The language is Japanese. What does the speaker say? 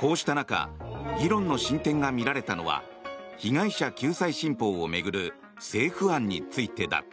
こうした中議論の進展が見られたのは被害者救済新法を巡る政府案についてだ。